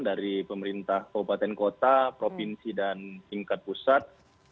dari pemerintah kabupaten kota provinsi dan tingkat pusat